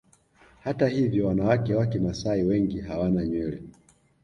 Hata hivyo wanawake wa Kimasai wengi hawana nywele